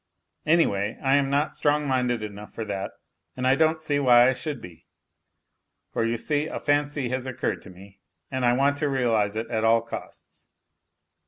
Anyway, I am not strong minded enough for that, and I don't see why I should be. But you see a fancy has occurred to me and I want to realize it at all costs.